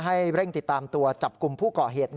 ให้เร่งติดตามตัวจับกลุ่มผู้ก่อเหตุ